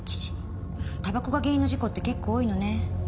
煙草が原因の事故って結構多いのね。